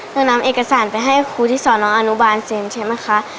หนูนำเอกสารไปให้ครูที่สอนออนุบาลเซ็นใช่ไหมคะ